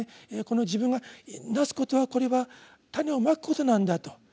この自分がなすことはこれは種を蒔くことなんだと。